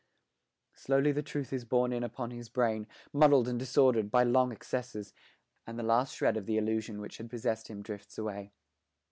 Slowly the truth is borne in upon his brain, muddled and disordered by long excess, and the last shred of the illusion which had possessed him drifts away.